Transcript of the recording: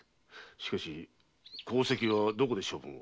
しかし鉱石はどこで処分を？